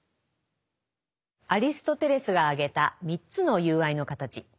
アリストテレスが挙げた３つの友愛の形。